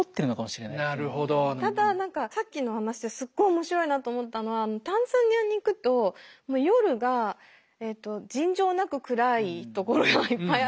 ただ何かさっきの話ですっごい面白いなと思ったのはタンザニアに行くと夜が尋常なく暗い所がいっぱいあるんですよ。